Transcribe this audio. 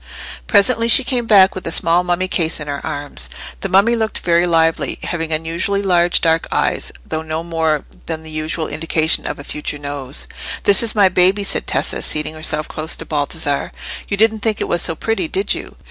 Presently she came back with the small mummy case in her arms. The mummy looked very lively, having unusually large dark eyes, though no more than the usual indication of a future nose. "This is my baby," said Tessa, seating herself close to Baldassarre. "You didn't think it was so pretty, did you?